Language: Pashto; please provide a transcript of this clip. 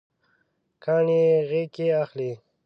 کاڼي یې غیږکې اخلي